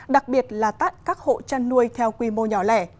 đặc biệt là tắt các hộ chăn nuôi theo quy mô nhỏ lẻ